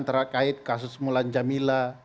terkait kasus mulan jamila